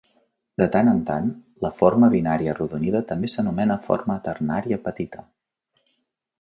De tant en tant, la forma binària arrodonida també s'anomena forma ternària petita.